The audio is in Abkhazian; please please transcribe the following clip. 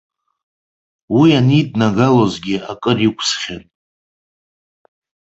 Уи аниднагалазгьы акыр иқәсхьан.